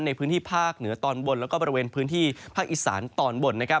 ในพื้นที่ภาคเหนือตอนบนแล้วก็บริเวณพื้นที่ภาคอีสานตอนบน